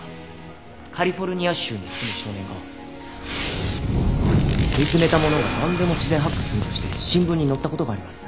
カリフォルニア州に住む少年が見つめたものがなんでも自然発火するとして新聞に載った事があります。